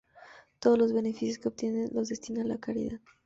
Todos los beneficios que obtiene los destina a la caridad.